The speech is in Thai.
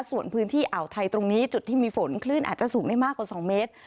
ส่วนพื้นที่อ่าวไทยตรงนี้อาจจะสูงได้มากกว่า๒เมตร